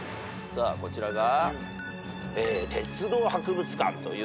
さあこちらが。